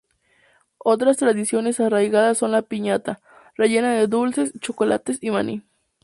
Otras tradiciones arraigadas son la piñata, rellena de dulces, chocolates y maní.